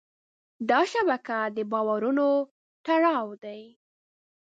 دا شبکه د باورونو تړاو دی.